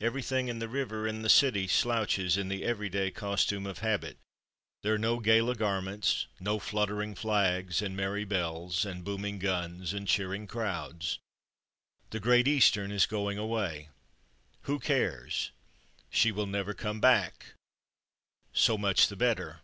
Everything in the river and the city slouches in the every day costume of habit. There are no gala garments, no fluttering flags, and merry bells, and booming guns, and cheering crowds. The Great Eastern is going away who cares? She will never come back so much the better!